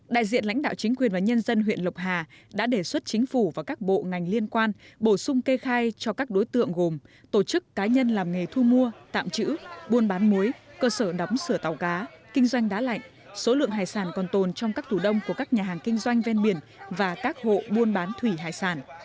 đại diện lãnh đạo chính quyền và nhân dân huyện lộc hà đã đề xuất chính phủ và các bộ ngành liên quan bổ sung kê khai cho các đối tượng gồm tổ chức cá nhân làm nghề thu mua tạm trữ buôn bán muối cơ sở đóng sửa tàu cá kinh doanh đá lạnh số lượng hải sản còn tồn trong các thủ đông của các nhà hàng kinh doanh ven biển và các hộ buôn bán thủy hải sản